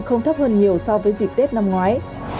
không thấp hơn nhiều so với dịp tết năm ngoái